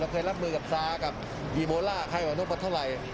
เราเคยรับมือกับซากับอีโบล่าไข่หวานุปัทเท่าไหร่